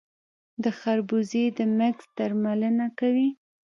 د خربوزې د مګس درملنه څه ده؟